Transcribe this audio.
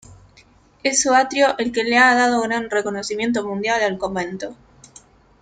Es su atrio el que le ha dado gran reconocimiento mundial al convento.